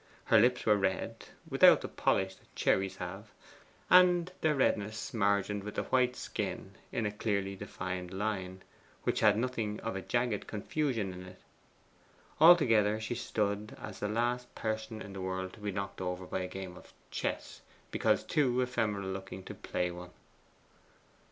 Her lips were red, WITHOUT the polish that cherries have, and their redness margined with the white skin in a clearly defined line, which had nothing of jagged confusion in it. Altogether she stood as the last person in the world to be knocked over by a game of chess, because too ephemeral looking to play one.